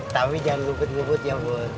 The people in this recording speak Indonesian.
tapi jangan lubut lubut ya bo